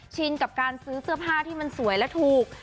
ชินกับการซื้อเสื้อผ้าที่มันสวยและถูก